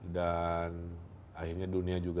dan akhirnya dunia juga